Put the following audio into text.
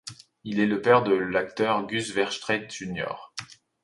Il est le père de l'acteur Guus Verstraete jr..